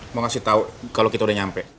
mau ngasih tau kalo kita udah nyampe